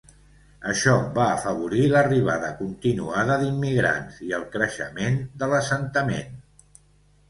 Això va afavorir l'arribada continuada d'immigrants i el creixement de l'assentament.